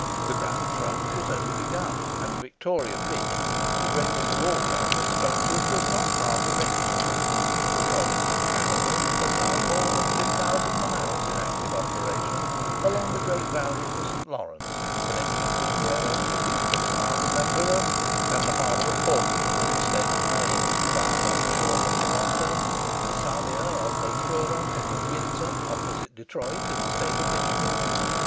The Grand Trunk was only begun, and the Victoria Bridge—the greatest of all railway structures—was not half erected. The Colony of Canada has now more than 3000 miles in active operation along the great valley of the St. Lawrence, connecting Rivière du Loup at the mouth of that river, and the harbour of Portland in the State of Maine, viâ Montreal and Toronto, with Sarnia on Lake Huron, and with Windsor, opposite Detroit in the State of Michigan.